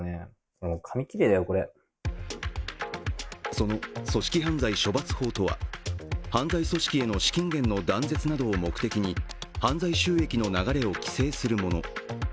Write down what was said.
その組織犯罪処罰法とは犯罪組織への資金源の断絶などを目的に犯罪収益の流れを規制するもの。